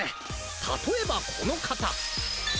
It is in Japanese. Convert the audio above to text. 例えばこの方！